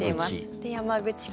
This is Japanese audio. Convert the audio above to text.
で、山口県。